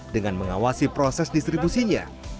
dengan mengawasi proses distribusinya